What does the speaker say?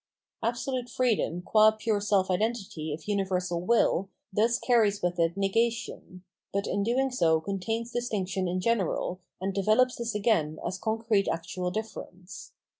Absolute freedom qua pure self identity of universal will thus carries with it negation; but in doing so contains distinction in general, and develops this again as concrete actual difference.